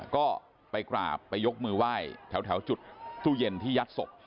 ก็ไปกราบไปยกมือไหว้แถวจุดตู้เย็นที่ยัดศพ